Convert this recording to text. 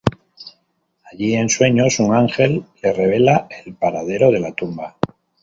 Allí, en sueños, un ángel le revela el paradero de la tumba.